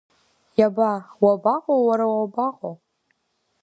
Иаба, уабаҟо, уара, уабаҟо?!